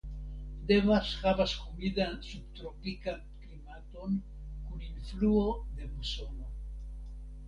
Devas havas humidan subtropikan klimaton kun influo de musono.